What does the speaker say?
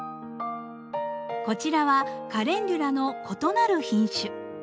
こちらはカレンデュラの異なる品種。